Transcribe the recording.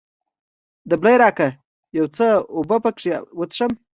دبلی راکړه، یو څه اوبه پکښې وڅښم.